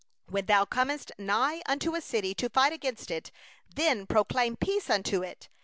10When thou drawest nigh unto a city to fight against it, then proclaim peace unto it.